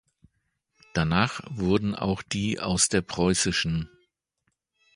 Danach wurden auch die aus der preuß.